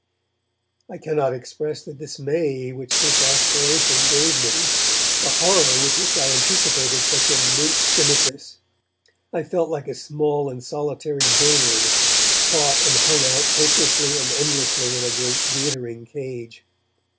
I cannot express the dismay which this aspiration gave me, the horror with which I anticipated such a nunc dimittis. I felt like a small and solitary bird, caught and hung out hopelessly and endlessly in a great glittering cage.